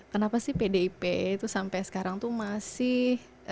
kenapa sih pdip itu sampai sekarang tuh masih